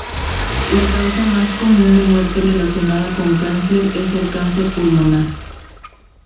La causa más común de muerte relacionada con cáncer es el cáncer pulmonar.